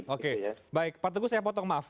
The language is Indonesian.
oke baik pak teguh saya potong maaf